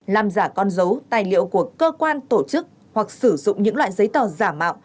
làm giả con dấu tài liệu của cơ quan tổ chức hoặc sử dụng những loại giấy tờ giả mạo